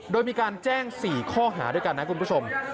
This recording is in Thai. โดยมีการแจ้ง๔ข้อหาด้วยกันนะคุณผู้ชม